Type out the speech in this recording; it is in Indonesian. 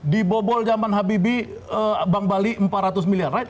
di bobol zaman habibie bank bali empat ratus miliar